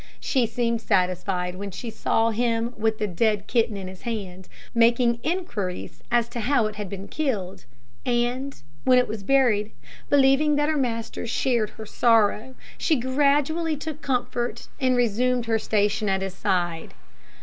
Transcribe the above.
She seemed satisfied when she saw him with the dead kitten in his hand, making inquiries as to how it had been killed; and when it was buried, believing that her master shared her sorrow, she gradually took comfort, and resumed her station at his side.